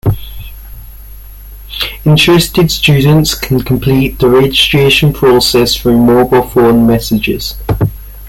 Interested students can complete the registration process through mobile phone messages.